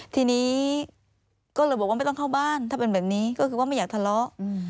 ทีนี้ก็เลยบอกว่าไม่ต้องเข้าบ้านถ้าเป็นแบบนี้ก็คือว่าไม่อยากทะเลาะ